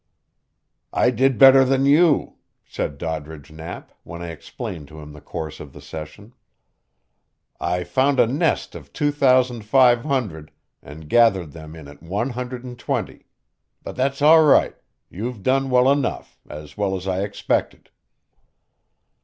"I did better than you," said Doddridge Knapp, when I explained to him the course of the session. "I found a nest of two thousand five hundred, and gathered them in at one hundred and twenty. But that's all right. You've done well enough as well as I expected."